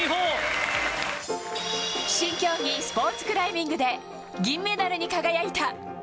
新競技、スポーツクライミングで銀メダルに輝いた。